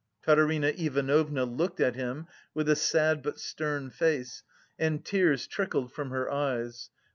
Katerina Ivanovna looked at him with a sad but stern face, and tears trickled from her eyes.